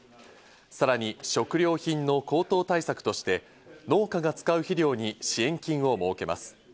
さらに食料品の高騰対策として農家が使う肥料に支援金を設けます。